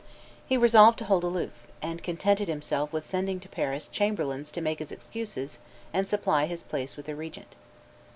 He resolved to hold aloof, and contented himself with sending to Paris chamberlains to make his excuses and supply his place with the regent.